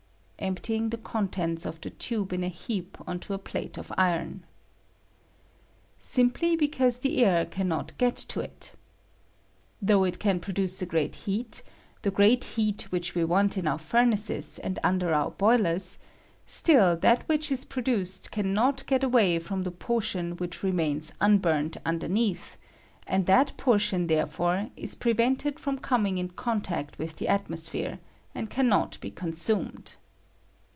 [Emptying the contents of the tube in a heap on to a pla1« of iron,] Simply because the air can not get to it. Though it can produce a great heat, the great I k 166 SOLID PRODUCTS OF COMBOSnON. I heat which we want in our furnaces and under our boilers, still that which is produced can not get away from the portion which remains un bumed underneath, and that portion, therefore, is prevented from coming in contact with the I atmosphere, and can not he consumed.